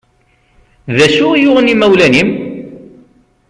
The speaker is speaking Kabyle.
D acu i yuɣen imawlan-im?